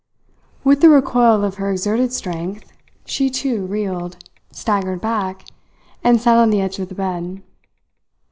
With the recoil of her exerted strength, she too reeled, staggered back, and sat on the edge of the bed.